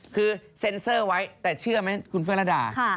คือเซ็นเซอร์ไว้แต่เชื่อไหมคุณเฟื้อระดา